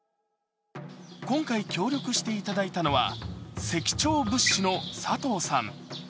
今回、協力していただいたのは石彫仏師の佐藤さん。